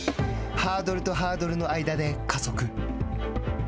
ハードルとハードルの間で加速。